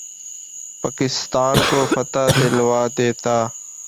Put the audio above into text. پاکستان کو فتح دلوا دیتا